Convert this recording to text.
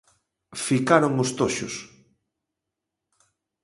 Ficaron os toxos.